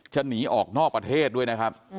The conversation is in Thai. หนีออกนอกประเทศด้วยนะครับ